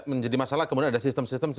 menjadi masalah kemudian ada sistem sistem